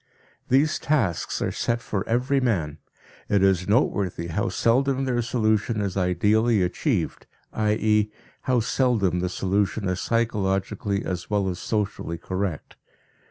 These tasks are set for every man; it is noteworthy how seldom their solution is ideally achieved, i.e., how seldom the solution is psychologically as well as socially correct.